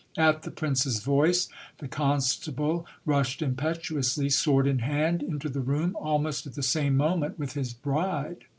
At the prince's voice, the constable rushed impetuously, sword in hand, into the room, almost at the same moment with his bride.